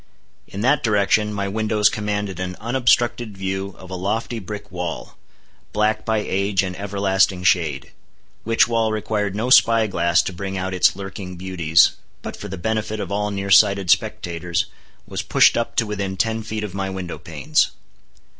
In that direction my windows commanded an unobstructed view of a lofty brick wall, black by age and everlasting shade; which wall required no spy glass to bring out its lurking beauties, but for the benefit of all near sighted spectators, was pushed up to within ten feet of my window panes.